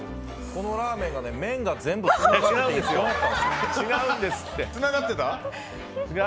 このラーメンが麺が全部違うんです。